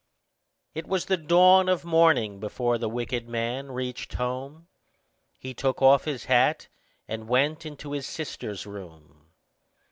It was the dawn of morning before the wicked man reached home; he took off his hat, and went into his sister's room.